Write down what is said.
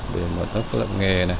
về nguồn tác các loại nghề